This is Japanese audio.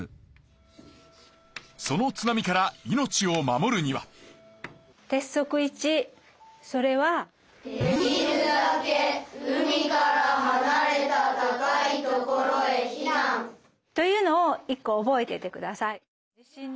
その津波から命を守るには。というのを１個覚えててください。